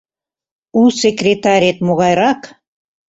У секретарет могайрак?